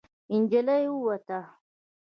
نجلۍ ووته.